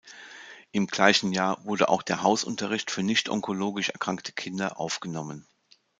Im gleichen Jahr wurde auch der Hausunterricht für nicht-onkologisch erkrankte Kinder aufgenommen.